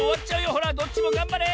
ほらどっちもがんばれ！